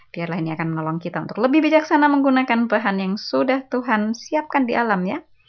biarlah ini akan menolong kita untuk lebih bijaksana menggunakan bahan yang sudah tuhan siapkan di alamnya